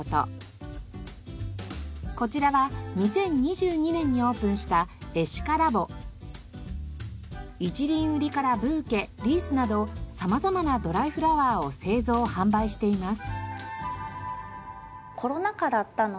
こちらは２０２２年にオープンした一輪売りからブーケリースなど様々なドライフラワーを製造・販売しています。